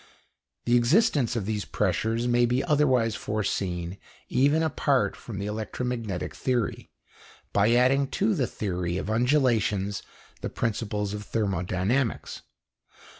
The existence of these pressures may be otherwise foreseen even apart from the electromagnetic theory, by adding to the theory of undulations the principles of thermodynamics.